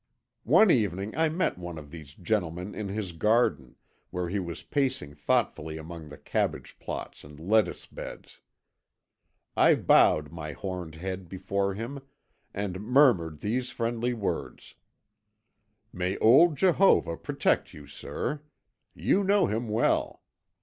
"One evening I met one of these gentlemen in his garden, where he was pacing thoughtfully among the cabbage plots and lettuce beds. I bowed my horned head before him and murmured these friendly words: 'May old Jehovah protect you, sir. You know him well.